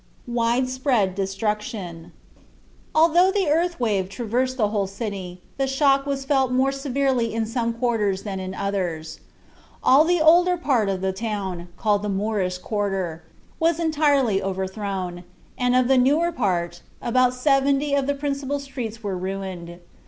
WIDE SPREAD DESTRUCTION Although the earth wave traversed the whole city, the shock was felt more severely in some quarters than in others. All the older part of the town, called the Moorish quarter, was entirely overthrown; and of the newer part, about seventy of the principal streets were ruined.